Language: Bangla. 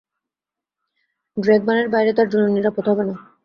ড্রেগমারের বাইরে তার জন্য নিরাপদ হবে না।